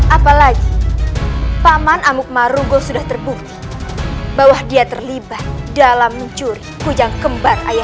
apalagi paman amuk marugo sudah terbukti bahwa dia terlibat dalam mencuri kujang kembar ayam